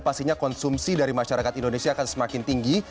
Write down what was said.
pastinya konsumsi dari masyarakat indonesia akan semakin tinggi